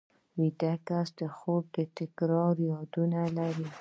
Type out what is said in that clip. ویده کس د خوب تکراري یادونه لري